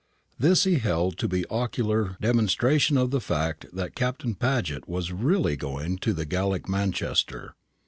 This he held to be ocular demonstration of the fact that Captain Paget was really going to the Gallic Manchester.